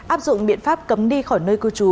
áp dụng biện pháp cấm đi khỏi nơi cư trú